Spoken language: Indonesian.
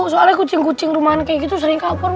soalnya kucing kucing rumahan kayak gitu sering kapur